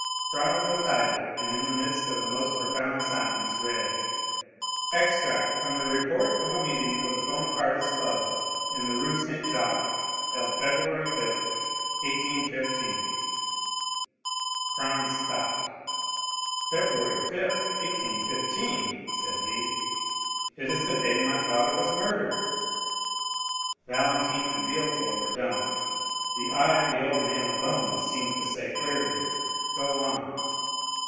Franz untied it, and in the midst of the most profound silence read: 40038m "'Extract of the report of a meeting of the Bonapartist Club in the Rue Saint Jacques, held February 5th, 1815.'" Franz stopped. "February 5th, 1815!" said he; "it is the day my father was murdered." Valentine and Villefort were dumb; the eye of the old man alone seemed to say clearly, "Go on."